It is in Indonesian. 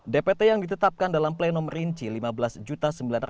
dpt yang ditetapkan dalam pleno merinci rp lima belas sembilan ratus empat puluh lima empat ratus